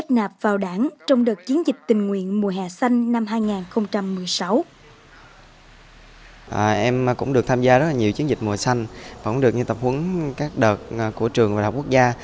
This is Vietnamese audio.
chúng em cũng được tham gia rất nhiều chiến dịch mùa xanh cũng được tập huấn các đợt của trường và đại học quốc gia